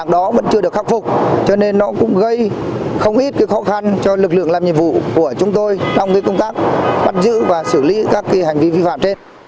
đã gây không ít khó khăn cho lực lượng chức năng khi xử lý vi phạm giao thông